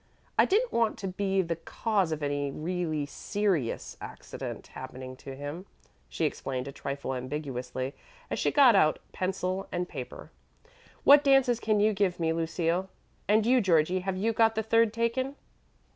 I didn't want to be the cause of any really serious accident happening to him," she explained a trifle ambiguously as she got out pencil and paper. "What dances can you give me, Lucille? And you, Georgie, have you got the third taken?"